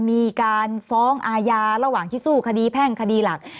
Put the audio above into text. มีการฟ้องอาญาระหว่างที่สู้คดีแพ่งคดีหลัก